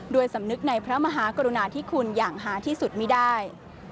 สำนึกในพระมหากรุณาที่คุณอย่างหาที่สุดไม่ได้